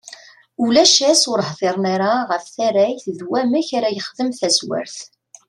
Ulac ass ur hdiren ara ɣef tarrayt d wamek ara yexdem tazrawt.